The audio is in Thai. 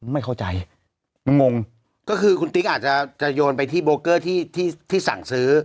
ไม่เข้าใจงงก็คือคุณติ๊กอาจจะโยนไปที่โบเกอร์ที่ที่สั่งซื้อ